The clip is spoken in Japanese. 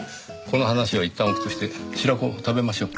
この話はいったんおくとして白子を食べましょう。